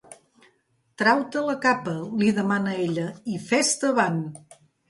—Trau-te la capa— li demana ella. —I festa avant!